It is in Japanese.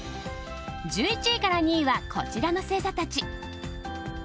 １１位から２位はこちらの星座たち。